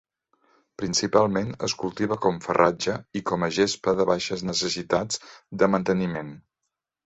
Principalment es cultiva com farratge i com a gespa de baixes necessitats de manteniment.